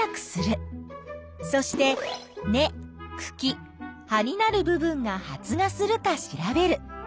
そして根・くき・葉になる部分が発芽するか調べる。